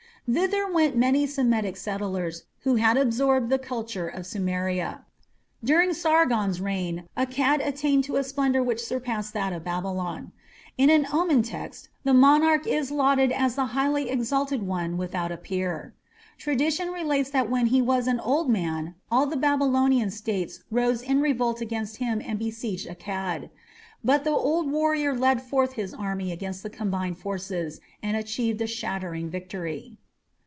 Thither went many Semitic settlers who had absorbed the culture of Sumeria. During Sargon's reign Akkad attained to a splendour which surpassed that of Babylon. In an omen text the monarch is lauded as the "highly exalted one without a peer". Tradition relates that when he was an old man all the Babylonian states rose in revolt against him and besieged Akkad. But the old warrior led forth his army against the combined forces and achieved a shattering victory.